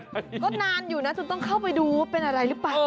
ก็นานอยู่นะจนต้องเข้าไปดูว่าเป็นอะไรหรือเปล่า